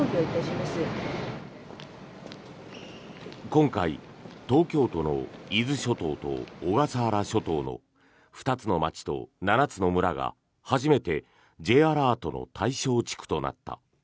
今回、東京都の伊豆諸島と小笠原諸島の２つの町と７つの村が初めてＪアラートの対象地区となった。